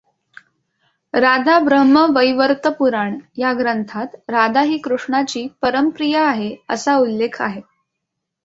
राधा ब्रह्मवैवर्तपुराण या ग्रंथात राधा ही कृष्णाची परमप्रिया आहे असा उल्लेख आहे.